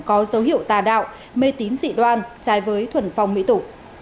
có dấu hiệu tà đạo mê tín dị đoan trái với thuần phong mỹ tục